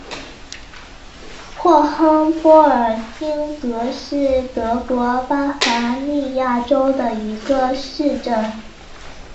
霍亨波尔丁格是德国巴伐利亚州的一个市镇。